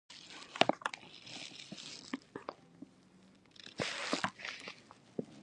د رفسنجان پسته په نړۍ کې نوم لري.